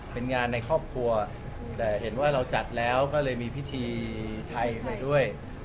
เป็นงานในครอบครัวแต่เห็นว่าเราจัดแล้วก็เลยมีพิธีไทยไปด้วย